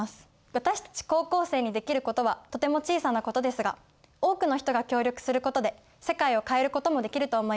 私たち高校生にできることはとても小さなことですが多くの人が協力することで世界を変えることもできると思います。